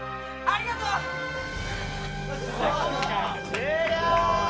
終了！